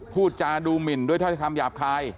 พูดจาดูหมิ่นด้วยคำหยาบคลาย